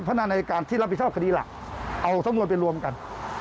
พนักงานอายการที่รับผิดชอบคดีหลักเอาสำนวนไปรวมกัน